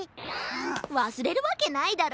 わすれるわけないだろ。